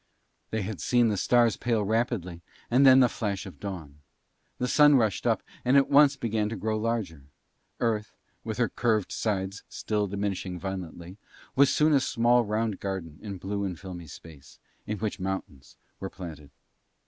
They had seen the stars pale rapidly and then the flash of dawn. The Sun rushed up and at once began to grow larger. Earth, with her curved sides still diminishing violently, was soon a small round garden in blue and filmy space, in which mountains were planted.